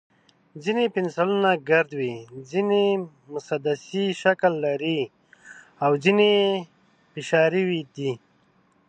ځینې پنسلونه ګرد وي، ځینې مسدسي شکل لري، او ځینې یې فشاري دي.